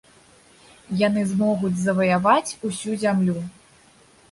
Яны змогуць заваяваць усю зямлю.